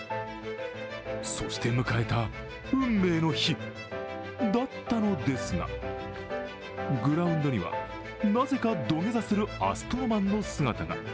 そして迎えた運命の日だったのですが、グラウンドには、なぜか土下座するアストロマンの姿が。